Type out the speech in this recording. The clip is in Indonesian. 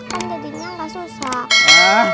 kan jadinya gak susah